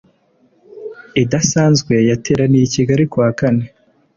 idasanzwe yateraniye i Kigali ku wa kane